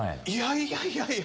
いやいやいや。